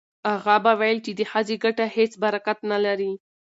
اغا به ویل چې د ښځې ګټه هیڅ برکت نه لري.